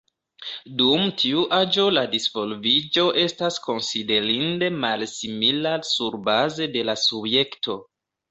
Dum tiu aĝo la disvolviĝo estas konsiderinde malsimila surbaze de la subjekto.